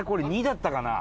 「２」だったかな？